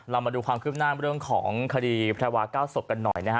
มาดูความคืบหน้าเรื่องของคดีแพรวา๙ศพกันหน่อยนะฮะ